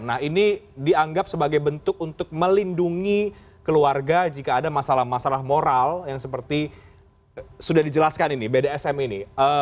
nah ini dianggap sebagai bentuk untuk melindungi keluarga jika ada masalah masalah moral yang seperti sudah dijelaskan ini bdsm ini